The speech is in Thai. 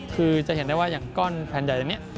คือจะเห็นได้ว่าอย่างก้อนแผ่นใหญ่อย่างนี้